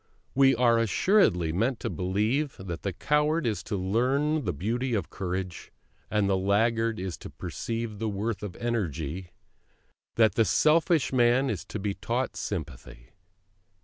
We are assuredly meant to believe that the coward is to learn the beauty of courage, that the laggard is to perceive the worth of energy, that the selfish man is to be taught sympathy.